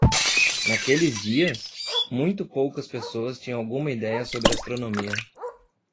Naqueles dias?, muito poucas pessoas tinham alguma ideia sobre astronomia.